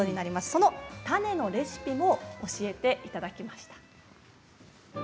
そのタネのレシピも教えていただきました。